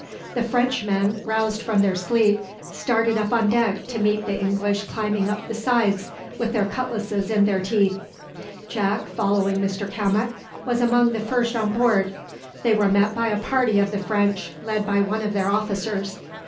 The Frenchmen, roused from their sleep, started up on deck to meet the English climbing up the sides with their cutlasses in their teeth. Jack, following Mr Cammock, was among the first on board. They were met by a party of the French, led by one of their officers.